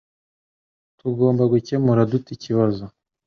Tugomba gukemura dute ikibazo